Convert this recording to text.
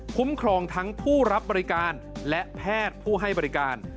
ครองทั้งผู้รับบริการและแพทย์ผู้ให้บริการ